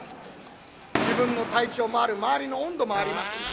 自分の体調もある周りの温度もあります。